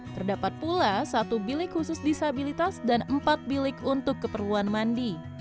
terdapat pula satu bilik khusus disabilitas dan empat bilik untuk keperluan mandi